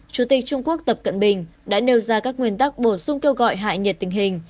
chủ tịch trung quốc tập cận bình đã nêu ra các nguyên tắc bổ sung kêu gọi hạ nhiệt tình hình